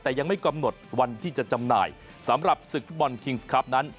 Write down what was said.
แต่ยังไม่กำหนดวันที่จะจำหน่ายสำหรับศึกฟุตบอลคิงส์ครับนั้น